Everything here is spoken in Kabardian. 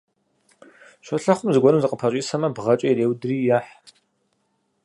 Щолэхъум зыгуэрым зыкъыпэщӀисэмэ, бгъэкӀэ иреудри ехь.